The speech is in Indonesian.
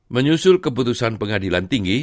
menyusul keputusan pengadilan tinggi